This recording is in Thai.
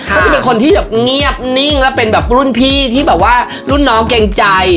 เขาจะเป็นคนที่แบบเงียบนิ่งแล้วเป็นแบบรุ่นพี่ที่แบบว่ารุ่นน้องเกรงใจ